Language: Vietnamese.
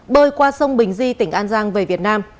bơi qua sông bình di tỉnh an giang về việt nam